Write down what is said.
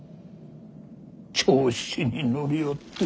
調子に乗りおって。